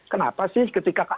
kenapa sih ketika